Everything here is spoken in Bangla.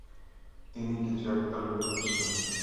তিনি কিছু একটা লুকাচ্ছেন।